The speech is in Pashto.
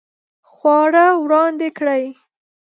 خواړه وړاندې کړئ